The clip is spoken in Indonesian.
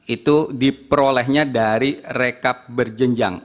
itu diperolehnya dari rekap berjenjang